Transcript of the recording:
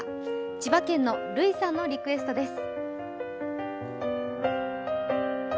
千葉県のルイさんのリクエストです。